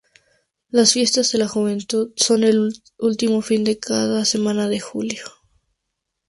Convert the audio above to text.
Las Fiestas de la Juventud son el último fin de semana de Julio.